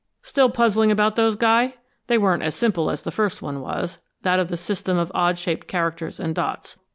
"Still puzzling about those, Guy? They weren't as simple as the first one was, that of the system of odd shaped characters and dots.